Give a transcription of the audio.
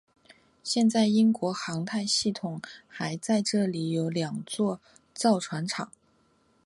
现在英国航太系统还在这里有两座造船厂。